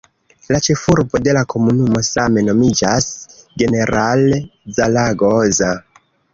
La ĉefurbo de la komunumo same nomiĝas "General Zaragoza".